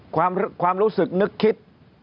ความรู้สึกนึกคิด